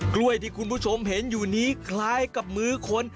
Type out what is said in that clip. กล้วยที่คุณผู้ชมเห็นอยู่นี้คล้ายกับมือคน